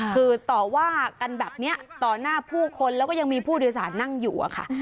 คือต่อว่ากันแบบนี้ต่อหน้าผู้คนแล้วก็ยังมีผู้โดยสารนั่งอยู่อะค่ะ